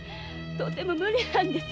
とても無理なんです。